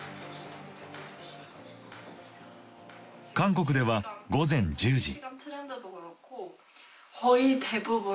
韓国では午前１０時。